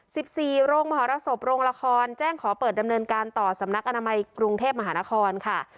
สิบสี่โรงมหรสบโรงละครแจ้งขอเปิดดำเนินการต่อสำนักอนามัยกรุงเทพมหานครค่ะ